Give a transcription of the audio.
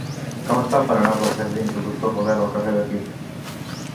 Com es fa per anar dels jardins del Doctor Robert al carrer de Tir?